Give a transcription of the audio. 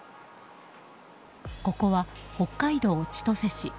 ここは北海道千歳市。